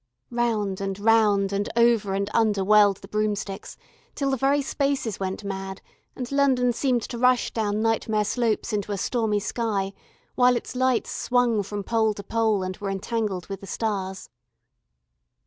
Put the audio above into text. Round and round and over and under whirled the broomsticks, till the very spaces went mad, and London seemed to rush down nightmare slopes into a stormy sky, while its lights swung from pole to pole and were entangled with the stars.